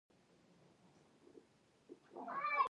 دوهمه قوه د دولت اجراییه قوه بلل کیږي.